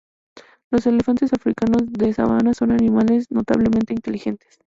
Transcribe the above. Los elefantes africanos de sabana son animales notablemente inteligentes.